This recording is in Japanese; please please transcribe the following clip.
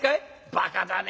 バカだね。